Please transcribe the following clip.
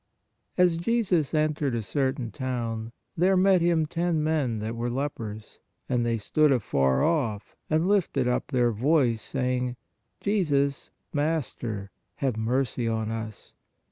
As Jesus entered a certain town, there met Him ten men that were lepers, and they stood afar off, and lifted up their voice, saying: Jesus, Master, have mercy on us.